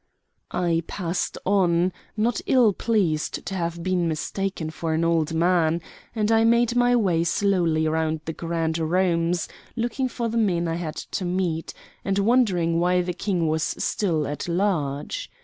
I passed on, not ill pleased to have been mistaken for an old man, and I made my way slowly round the grand rooms, looking for the men I had to meet, and wondering why the King was still at large.